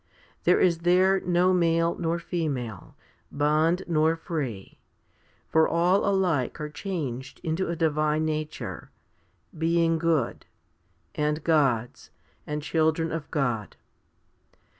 There is there no male nor female, bond nor free, 2 for all alike are changed into a divine nature, being good, and Gods, and children of God.